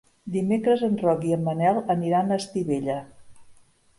Dimecres en Roc i en Manel aniran a Estivella.